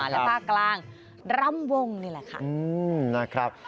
และภาคกลางรำวงนี่แหละค่ะนะครับ